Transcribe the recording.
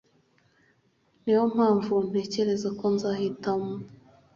Niyo mpamvu ntekereza ko nzahitamo